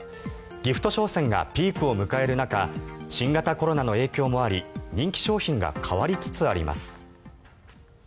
ギフト商戦がピークを迎える中新型コロナの影響もあり人気商品が変わりつつあります。